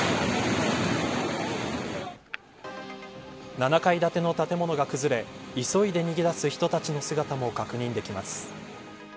７階建ての建物が崩れ急いで逃げ出す人たちの姿も確認できます。